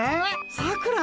さくら？